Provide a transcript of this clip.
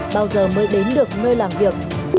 bao giờ mới đến được nơi làm việc